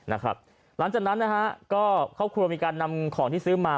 หลังจากนั้นนะฮะก็ครอบครัวมีการนำของที่ซื้อมา